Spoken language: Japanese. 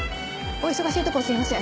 お忙しいところすいません。